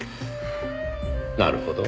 なるほど。